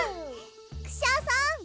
クシャさん。